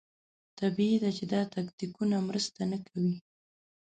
طبیعي ده چې دا تکتیکونه مرسته نه کوي.